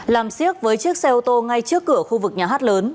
làm siếc với chiếc xe ô tô ngay trước cửa khu vực nhà hát lớn